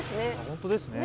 本当ですね。